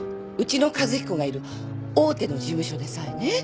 うちの和彦がいる大手の事務所でさえね